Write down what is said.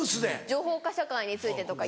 情報化社会についてとか。